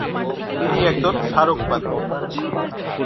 তিনি একজন সরোদ-বাদক।